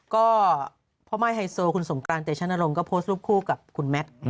ก็พ่อม่ายไฮโซคุณสงกรานเตชนรงค์ก็โพสต์รูปคู่กับคุณแมท